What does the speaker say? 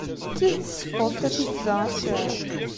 D tidet tessewweḍ-d tapizza ass-a?